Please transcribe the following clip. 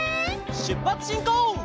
しゅっぱつしんこう！